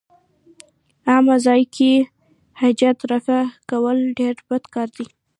عامه ځای کې حاجت رفع کول ډېر بد کار دی.